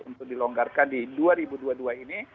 untuk dilonggarkan di dua ribu dua puluh dua ini